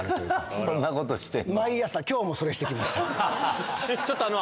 そんなことしてんの？